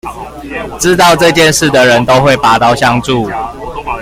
知道這件事的人都會拔刀相助